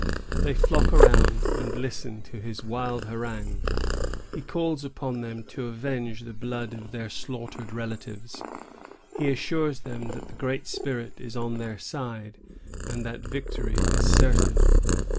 They flock around and listen to his wild harangue. He calls on them to avenge the blood of their slaughtered relatives; he assures them that the Great Spirit is on their side, and that victory is certain.